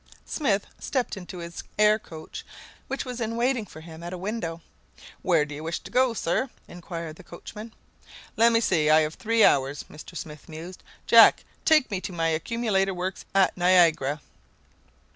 Smith stepped into his air coach, which was in waiting for him at a window. "Where do you wish to go, sir?" inquired the coachman. "Let me see; I have three hours," Mr. Smith mused. "Jack, take me to my accumulator works at Niagara."